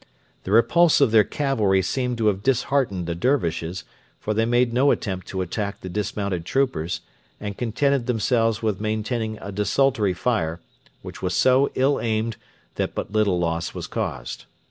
The repulse of their cavalry seemed to have disheartened the Dervishes, for they made no attempt to attack the dismounted troopers, and contented themselves with maintaining a desultory fire, which was so ill aimed that but little loss was caused.